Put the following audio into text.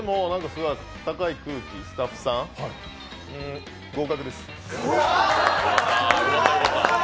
暖かい空気、スタッフさん合格です。